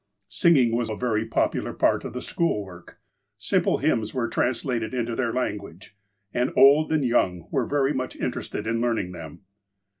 Singing was a very popular part of the school work. Simple hymns were translated into their language, and old and young were very much interested in learning them.